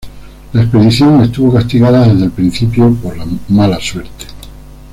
La expedición estuvo castigada desde el principio por la mala suerte.